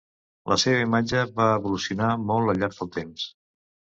La seva imatge va evolucionar molt al llarg del temps.